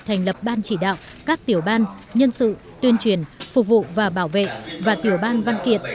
thành lập ban chỉ đạo các tiểu ban nhân sự tuyên truyền phục vụ và bảo vệ và tiểu ban văn kiện